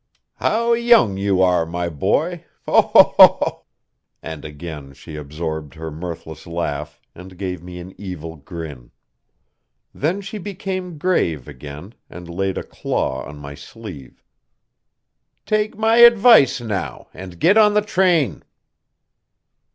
How young you are, my boy! Oh, ho, oh ho!" And again she absorbed her mirthless laugh, and gave me an evil grin. Then she became grave again, and laid a claw on my sleeve. "Take my advice now, and git on the train."